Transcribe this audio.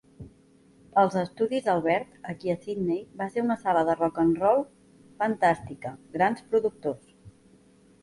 Els Estudis Albert aquí a Sydney va ser una sala de rock and roll fantàstica... Grans productors.